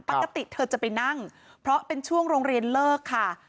ปกติเธอจะไปนั่งเพราะเป็นช่วงโรงเรียนเลิกค่ะ